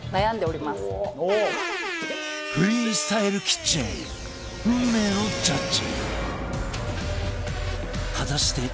フリースタイルキッチン運命のジャッジ